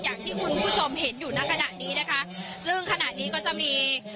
อย่างที่คุณผู้ชมเห็นอยู่ในขณะนี้นะคะซึ่งขณะนี้ก็จะมี